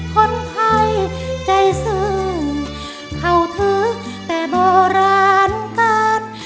คนไทยใจซื่อเข้าถึงแต่โบราณการ